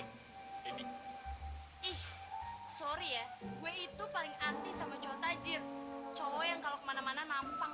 eh sorry ya gue itu paling anti sama cowok tajir cowok yang kalau kemana mana mampang